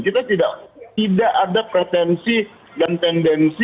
kita tidak ada pretensi dan tendensi